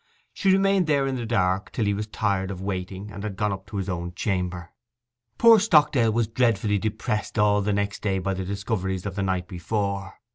She remained there in the dark till he was tired of waiting, and had gone up to his own chamber. Poor Stockdale was dreadfully depressed all the next day by the discoveries of the night before.